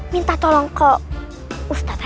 minta tolong ke ustaznya